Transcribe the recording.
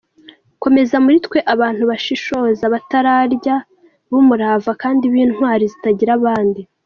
Komeza muri twe abantu bashishoza, bataryarya, b’umurava kandi b’intwari zitangira abandi.